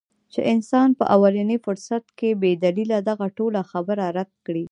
چې انسان پۀ اولني فرصت کښې بې دليله دغه ټوله خبره رد کړي -